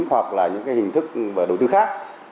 hoặc là những hình thức đầu tư khác